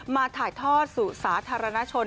ถ่ายทอดสู่สาธารณชน